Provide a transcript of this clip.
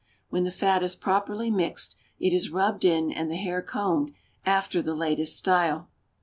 When the fat is properly mixed, it is rubbed in and the hair combed after the latest style.